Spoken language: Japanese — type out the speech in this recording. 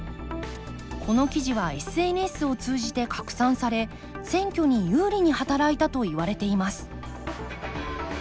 この記事はＳＮＳを通じて拡散され選挙に有利に働いたといわれています